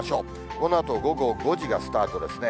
このあと午後５時がスタートですね。